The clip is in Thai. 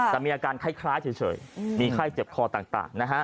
แต่มีอาการคล้ายเฉยมีไข้เจ็บคอต่างนะฮะ